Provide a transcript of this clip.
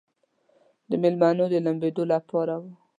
د مېلمنو د لامبېدلو لپاره و.